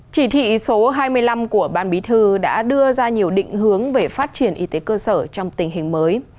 chỉ thị số hai mươi năm của ban bí thư đã đưa ra nhiều định hướng về phát triển y tế cơ sở trong tình hình mới